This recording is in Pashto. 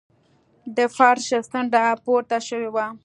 د فرش څنډه پورته شوې وه.